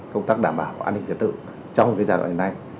công tác đảm bảo an ninh trật tự trong cái giai đoạn này